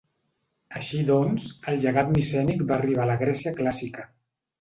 Així doncs, el llegat micènic va arribar a la Grècia clàssica.